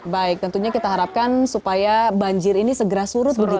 baik tentunya kita harapkan supaya banjir ini segera surut